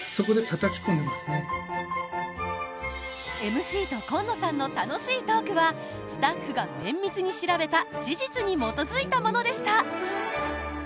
ＭＣと今野さんの楽しいトークはスタッフが綿密に調べた史実に基づいたものでした。